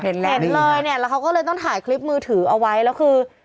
เห็นเลยเนี่ยแล้วเขาก็เลยต้องถ่ายคลิปมือถือเอาไว้แล้วคือ